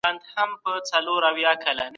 هغه سړی خپل عزت وساتی او چوپ پاته سو.